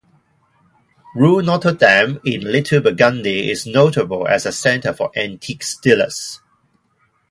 Rue Notre-Dame in Little Burgundy is notable as a centre for antiques dealers.